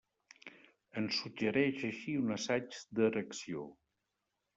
Ens suggereix així un assaig d'erecció.